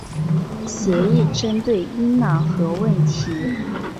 协议针对伊朗核问题。